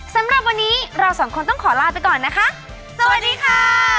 สำหรับวันนี้เราสองคนต้องขอลาไปก่อนนะคะสวัสดีค่ะ